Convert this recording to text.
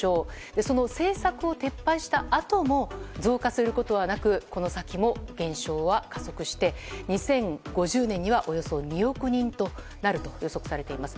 その政策を撤廃したあとも増加することはなくこの先も減少は加速して２０５０年にはおよそ２億人になると予測されています。